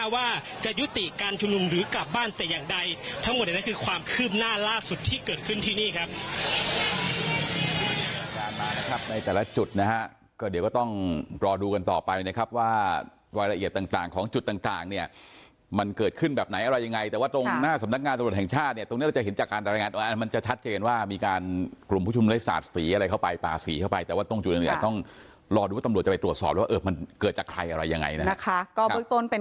ว่าสุดที่เกิดขึ้นที่นี่ครับ